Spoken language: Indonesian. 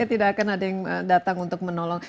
tidak akan ada yang datang untuk menolong